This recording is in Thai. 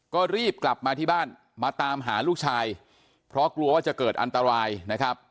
ก็รีบกลับมาที่บ้านมาตามหาลูกชายเพราะกลัวว่าจะเกิดอันตรายนะครับ